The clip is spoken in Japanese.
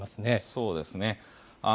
そうですね。